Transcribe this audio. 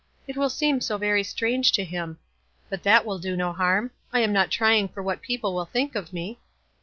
It will seem so very strange to him. But that will do no harm. I am not trying for what people will think of me.